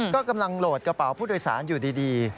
ก็กำลังโหลดกระเป๋าผู้โดยสารอยู่ดี